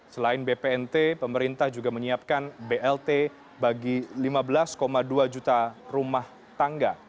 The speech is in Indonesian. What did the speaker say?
selain bpnt pemerintah juga menyiapkan blt bagi lima belas dua juta rumah tangga